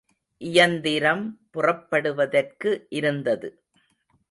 இயந்திரம் புறப்படுவதற்கு இருந்தது.